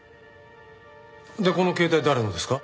でこの携帯誰のですか？